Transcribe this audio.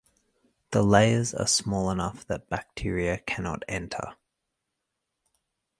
The layers are small enough that bacteria cannot enter.